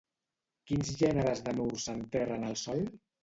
Quins gèneres d'anurs s'enterren al sòl?